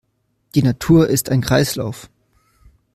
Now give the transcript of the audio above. Die Natur ist ein Kreislauf.